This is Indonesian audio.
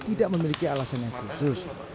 tidak memiliki alasan yang khusus